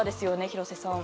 廣瀬さん。